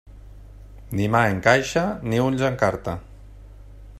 Ni mà en caixa, ni ulls en carta.